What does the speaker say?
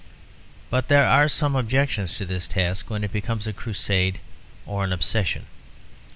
But there are some objections to this task when it becomes a crusade or an obsession.